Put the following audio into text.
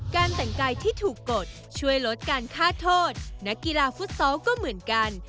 การแต่งกายที่ถูกกดช่วยลดการฆ่าโทษนักกีฬาฟุตซอลก็เหมือนกัน